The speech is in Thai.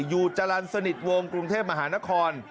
จรรย์สนิทวงกรุงเทพมหานคร